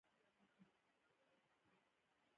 بلکې محتملې یا پېښېدونکې وي.